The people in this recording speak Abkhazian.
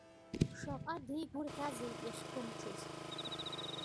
Шаҟа деигәырӷьазеи иахьԥымҽыз.